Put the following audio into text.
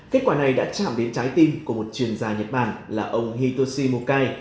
kết quả này đã chạm đến trái tim của một chuyên gia nhật bản là ông hitoshi mukai